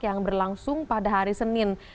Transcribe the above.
yang berlangsung pada hari senin